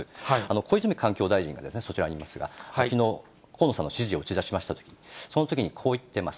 小泉環境大臣がそちらにいますが、きのう、河野さんの支持を打ち出しましたとき、そのときに、こう言っています。